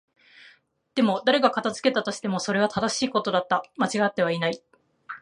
でも、誰が片付けたとしても、それは正しいことだった。間違っていない。